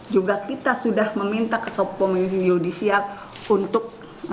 juga kita sudah meminta ketua komisi yudisial untuk